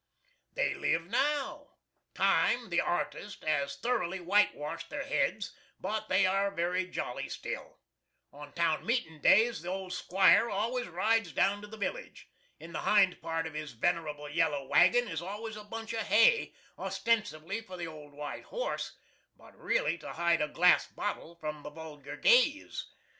They live now. Time, the "artist," has thoroughly whitewashed their heads, but they are very jolly still. On town meeting days the old 'Squire always rides down to the village. In the hind part of his venerable yellow wagon is always a bunch of hay, ostensibly for the old white horse, but really to hide a glass bottle from the vulgar gaze.